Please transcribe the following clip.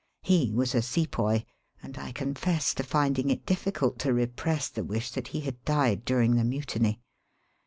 He was a Sepoy, and I confess to finding it diflficult to repress the wish that he had died during the mutiny.